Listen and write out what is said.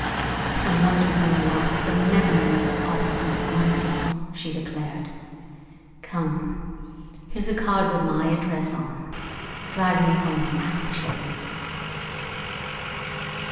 "I want to go whilst the memory of it all is wonderful," she declared. "Come. Here's a card with my address on. Drive me home now, please."